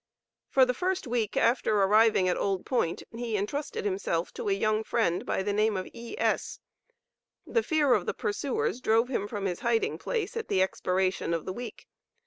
For the first week after arriving at Old Point he entrusted himself to a young friend by the name of E.S. The fear of the pursuers drove him from his hiding place at the expiration of the week.